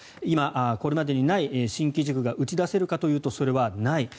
今、これまでにない新機軸が打ち出せるかというとそれはない。